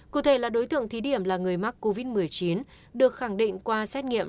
cụ thể là đối tượng thí điểm là người mắc covid một mươi chín được khẳng định qua xét nghiệm